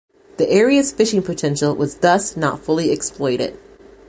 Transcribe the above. The area's fishing potential was thus not fully exploited.